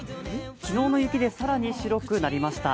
昨日の雪で更に白くなりました。